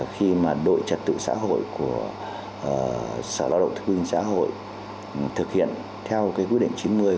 khi mà đội trật tự xã hội của sở lao động thức huynh xã hội thực hiện theo quyết định chín mươi của